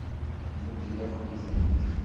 Mudden-akent-tent.